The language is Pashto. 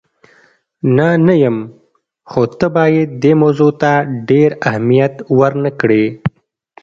نه، نه یم، خو ته باید دې موضوع ته ډېر اهمیت ور نه کړې.